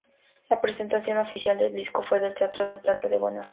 La presentación oficial del disco fue en el Teatro Del Plata de Buenos Aires.